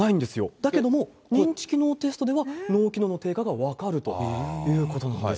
だけども認知機能テストでは、脳機能の低下が分かるということなんです。